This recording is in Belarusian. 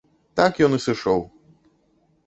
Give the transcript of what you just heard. Так ён і сышоў.